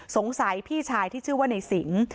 สงสัยพี่ชายที่ชื่อว่าในสิง